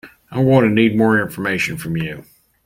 I am going to need more information from you